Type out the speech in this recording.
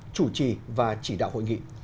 chủ trì và chỉ đạo hội nghị